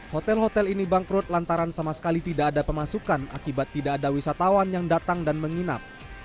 hotel hotel ini bangkrut lantaran sama sekali tidak ada pemasukan akibat tidak ada wisatawan yang datang dan menginap